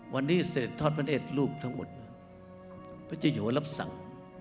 วันนี้เสร็จทอดเมืองเอ็ดรูปทั้งหมดพระเจโยรับสั่ง